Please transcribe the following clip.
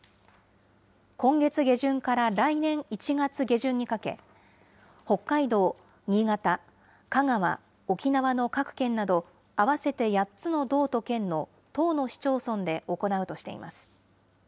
今月下旬から来年１月下旬にかけ、北海道、新潟、香川、沖縄の各県など、合わせて８つの道と県の１０の市町村で行うとしています。